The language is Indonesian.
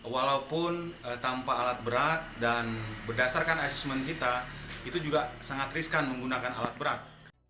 walaupun tanpa alat berat dan berdasarkan asesmen kita itu juga sangat riskan menggunakan alat berat